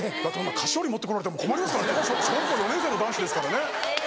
菓子折り持ってこられても困りますからね小学校４年生の男子ですからね。